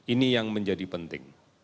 ini yang menjadi penting